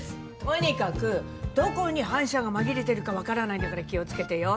とにかくどこに反社が紛れてるかわからないんだから気をつけてよ。